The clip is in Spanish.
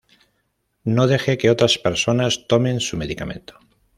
No deje que otras personas tomen su medicamento.